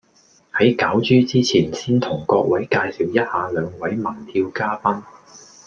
喺攪珠之前先同各位介紹一下兩位盟票嘉賓